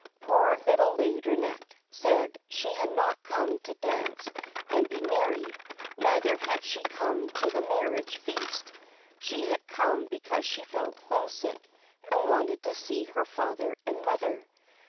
Poor little Laideronnette said she had not come to dance and be merry ; neither had she come to the marriage feast ; she had come because she felt homesick and wanted to see her father and mother.